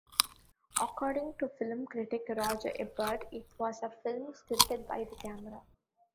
According to film critic Roger Ebert, it was a film 'scripted by the camera'.